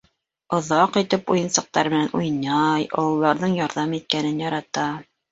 Оҙаҡ итеп уйынсыҡтар менән уйнай, ололарҙың ярҙам иткәнен ярата.